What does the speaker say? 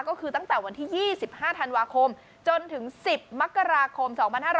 ก็คือตั้งแต่วันที่๒๕ธันวาคมจนถึง๑๐มกราคม๒๕๕๙